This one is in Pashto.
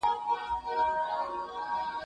هغه څوک چي مرسته کوي مهربان وي؟!